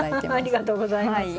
ありがとうございます。